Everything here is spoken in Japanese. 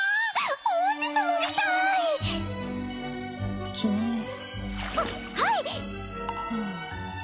王子様みたい君ははい！